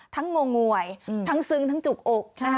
ทั้งโง่งวยทั้งซึ้งทั้งจุกอก